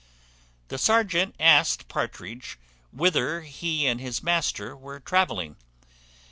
The serjeant asked Partridge whither he and his master were travelling?